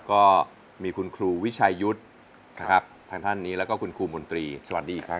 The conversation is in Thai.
ก็มีคุณครูวิชายุทธ์นะครับทางท่านนี้แล้วก็คุณครูมนตรีสวัสดีครับ